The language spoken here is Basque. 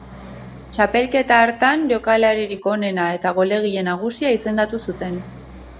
Txapelketa hartan jokalaririk onena eta golegile nagusia izendatu zuten.